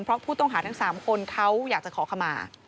เพราะผู้ต้องหาทั้ง๓คนเขาอยากจะขอขมา